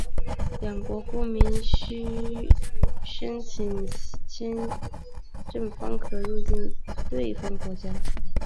两国公民皆须申请签证方可入境对方国家。